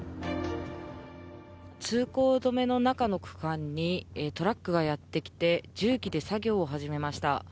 通行止めの中の区間にトラックがやってきて重機で作業を始めました。